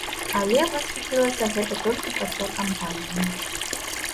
Але высветлілася гэта толькі пасля кампаніі.